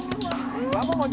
kamu ngawetan ya